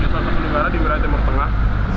ternyata diberi ada di tengah